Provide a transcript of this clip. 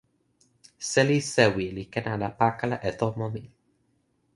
seli sewi li ken ala pakala e tomo mi.